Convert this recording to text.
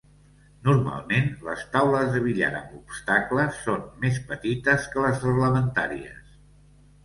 Normalment, les taules de billar amb obstacles són més petites que les reglamentàries.